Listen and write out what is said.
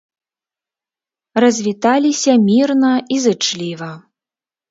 Развіталіся мірна і зычліва.